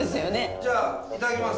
じゃあいただきます。